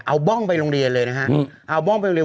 เอาบ้องไปโรงเรียนเลยนะฮะเอาบ้องไปโรงเรียน